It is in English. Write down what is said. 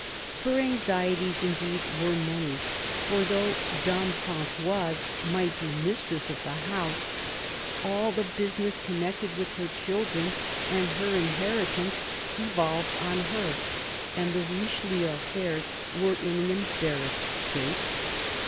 Her anxieties indeed were many; for though Dame Frangoise might be mistress of the house, all the business connected with her children and her inheritance devolved on her. And the Richelieu affairs were in an embarrassed state.